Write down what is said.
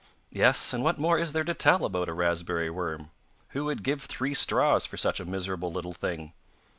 Yes, and what more is there to tell about a raspberry worm? Who would give three straws for such a miserable little thing?